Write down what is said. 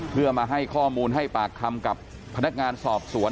เพื่อมาให้ข้อมูลให้ปากคำกับพนักงานสอบสวน